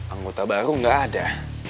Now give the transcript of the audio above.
anggota baru nggak ada